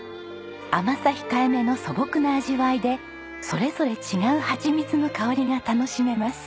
甘さ控えめの素朴な味わいでそれぞれ違うハチミツの香りが楽しめます。